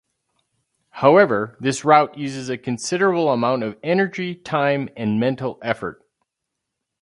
However, this route uses a considerable amount of energy, time, and mental effort.